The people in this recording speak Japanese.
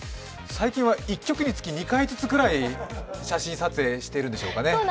最近は１局につき２回くらい写真撮影してるんでしょうかね。